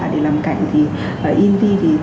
để làm cảnh thì invi